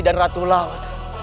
dan ratu laut